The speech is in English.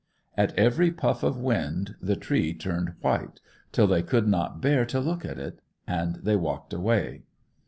At every puff of wind the tree turned white, till they could not bear to look at it; and they walked away.